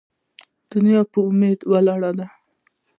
ـ دنيا په اميد ولاړه ده.